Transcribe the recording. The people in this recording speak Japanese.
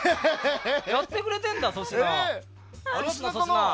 やってくれてるんだ、粗品。